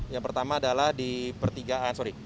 yang pertama adalah di